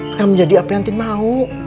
akan menjadi apa yang tin mau